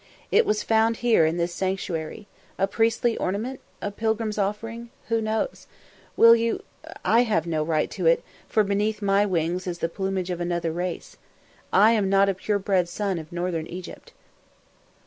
"It was found here, in this sanctuary a priestly ornament? a pilgrim's offering? Who knows? Will you? I have no right to it, for beneath my wings is the plumage of another race. I am not a pure bred son of Northern Egypt."